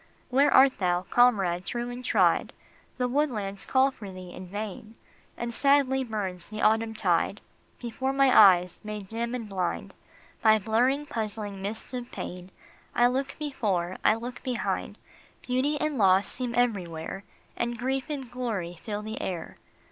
Where art thou, comrade true and tried ? The woodlands call for thee in vain, And sadly burns the autumn tide Before my eyes, made dim and blind By blurring, puzzling mists of pain. I look before, I look behind ; Beauty and loss seem everywhere, And grief and glory fill the air.